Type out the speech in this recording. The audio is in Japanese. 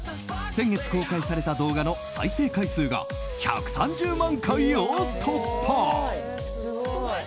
先月公開された動画の再生回数が１３０万回を突破。